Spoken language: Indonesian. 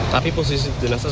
tapi posisi jenazah sudah